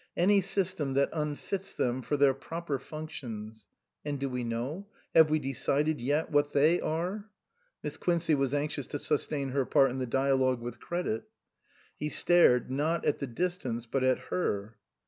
Any system that unfits them for their proper functions " "And do we know have we decided yet what they are ?" Miss Quincey was anxious to sustain her part in the dialogue with credit. He stared, not at the distance but at her.